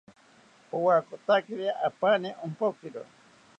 Powakotakiri apani ompokiro